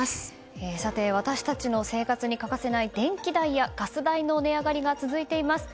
私たちの生活に欠かせない電気代やガス代の値上がりが続いています。